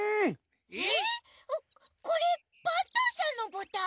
これパンタンさんのボタン？